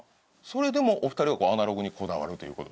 それでもお二人はアナログにこだわるという事？